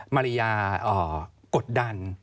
มาริยากดดัน